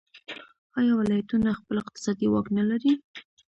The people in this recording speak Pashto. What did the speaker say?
آیا ولایتونه خپل اقتصادي واک نلري؟